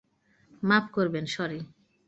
মাফ করবেন, সরি।